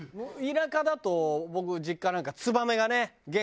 田舎だと僕実家なんかツバメがね玄関に。